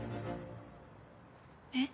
えっ？